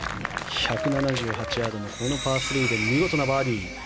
１７８ヤードのパー３で見事なバーディー。